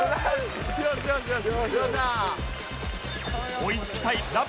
追いつきたいラブ！！